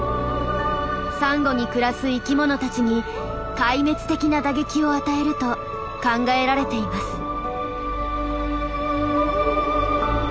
サンゴに暮らす生きものたちに壊滅的な打撃を与えると考えられています。